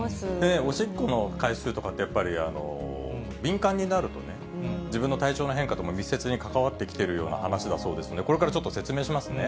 おしっこの回数とかって、やっぱり、敏感になるとね、自分の体調の変化とも密接に関わってきてるような話だそうですんで、これからちょっと説明しますね。